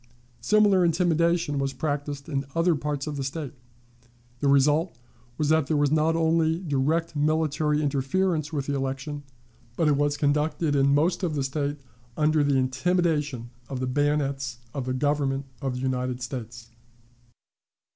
Similar intimidation was practiced in other parts of the State. The result was, that there was not only direct military interference with the election, but it was conducted in most of the State under the intimidation of the bayonets of the Government of the United States.